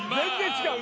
違う！